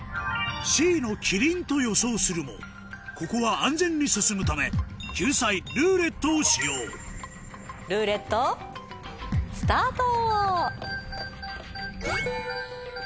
Ｃのキリンと予想するもここは安全に進むため救済「ルーレット」を使用ルーレットスタート。